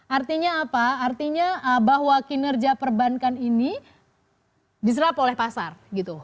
artinya apa artinya bahwa kinerja perbankan ini diserap oleh pasar gitu